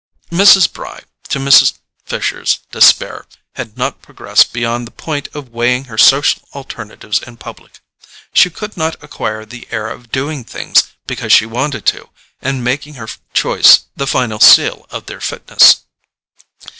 Mrs. Bry, to Mrs. Fisher's despair, had not progressed beyond the point of weighing her social alternatives in public. She could not acquire the air of doing things because she wanted to, and making her choice the final seal of their fitness.